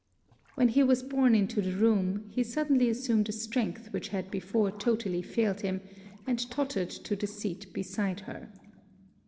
When he was borne into the room, he suddenly assumed a strength which had before totally failed him, and tottered to the seat beside her.